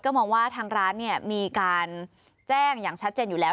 มองว่าทางร้านเนี่ยมีการแจ้งอย่างชัดเจนอยู่แล้ว